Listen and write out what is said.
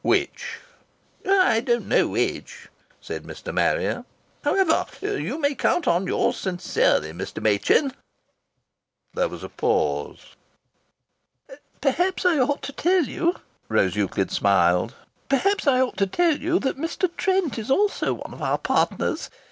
"Which?" "I don't know which," said Mr. Marrier. "How evah, you may count on yours sincerely, Mr. Machin." There was a pause. "Perhaps I ought to tell you," Rose Euclid smiled, "perhaps I ought to tell you that Mr. Trent is also one of our partners.